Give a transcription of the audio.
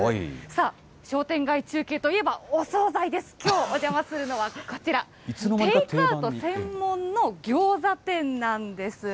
さあ、商店街中継といえば、お総菜です、きょうお邪魔するのはこちら、テイクアウト専門のギョーザ店なんです。